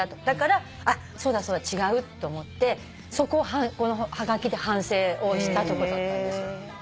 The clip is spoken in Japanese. だからそうだ違うと思ってそこをこのはがきで反省をしたとこだったんですよ。